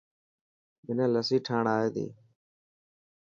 منا لسي ٺاهڻ آي تي.